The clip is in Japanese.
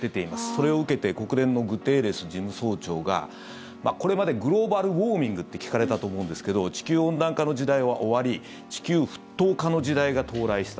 それを受けて国連のグテーレス事務総長がこれまでグローバル・ウォーミングって聞かれたと思うんですけど地球温暖化の時代は終わり地球沸騰化の時代が到来した。